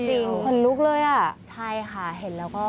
ขนลุกเลยอ่ะใช่ค่ะเห็นแล้วก็